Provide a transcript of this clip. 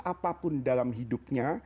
apapun dalam hidupnya